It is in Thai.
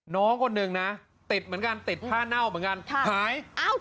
น้องคนหนึ่งนะติดเหมือนกันติดผ้าเน่าเหมือนกันหาย